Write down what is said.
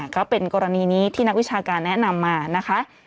ก็เป็นกรณีนี้ที่นักวิชาการแนะนำมานะคะ